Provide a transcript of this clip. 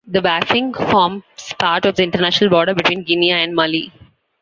The Bafing forms part of the international border between Guinea and Mali.